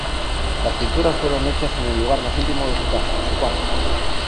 Las pinturas fueron hechas en el lugar más íntimo de su casa, su cuarto.